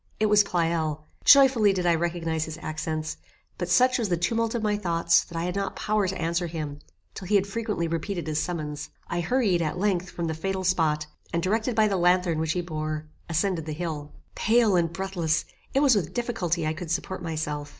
It was Pleyel. Joyfully did I recognize his accents; but such was the tumult of my thoughts that I had not power to answer him till he had frequently repeated his summons. I hurried, at length, from the fatal spot, and, directed by the lanthorn which he bore, ascended the hill. Pale and breathless, it was with difficulty I could support myself.